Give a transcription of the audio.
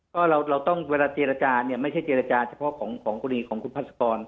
ก็เราต้องเวลาเจรจาเนี่ยไม่ใช่เจรจาเฉพาะของกรณีของคุณพัศกร